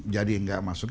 jadi tidak masuk